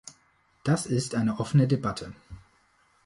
Das ist eine offene Debatte.